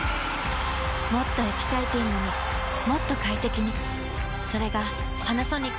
もっとエキサイティングにもっと快適にそれがパナソニックのスポーツソリューション